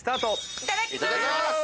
・いただきます。